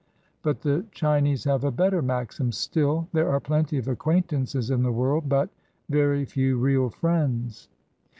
But the Chinese have a better maxim still: 'There are plenty of acquaintances in the world, but very few real friends.'"